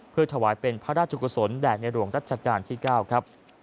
เพื่อถวายเป็นพระราชกุศลแด่ในหลวงรัชกาลที่๙ครับ